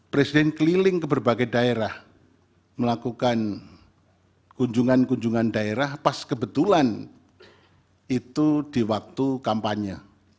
presiden keliling ke berbagai daerah melakukan kunjungan kunjungan daerah pas kebetulan itu di waktu kampanye